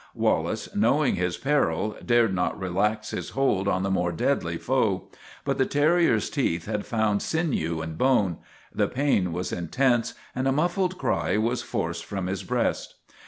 Wallace, knowing his peril, dared not relax his hold on the more deadly foe. But the terriers teeth had found sinew and bone ; the pain was intense, and a muffled cry was forced from his breast.